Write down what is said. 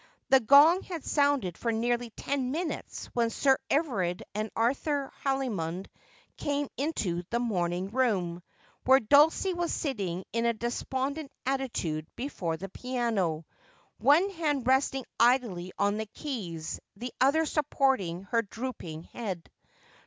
The gong had sounded for nearly ten minutes when Sir Everard and Arthur Haldimond came into the morning room, where Dulcie was sitting in a despondent attitude before the piano, one hand resting idly on the keys, the other supporting her drooping head.